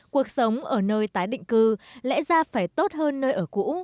cuộc sống ở nơi tái định cư lẽ ra phải tốt hơn nơi ở cũ